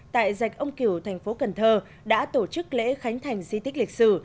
tại rạch ông kiểu thành phố cần thơ đã tổ chức lễ khánh thành di tích lịch sử